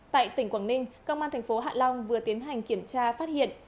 tại tỉnh quảng ninh công an tp hcm vừa tiến hành kiểm tra phát hiện